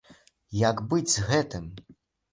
Як быць з гэтым?